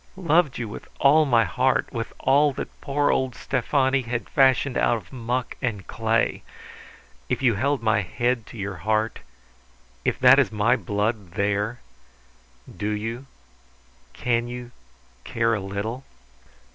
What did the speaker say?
Loved you with all my heart, with all that poor old Stefani had fashioned out of muck and clay. If you held my head to your heart, if that is my blood there Do you, can you care a little?"